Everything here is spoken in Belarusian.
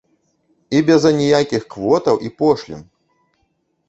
І без аніякіх квотаў і пошлін!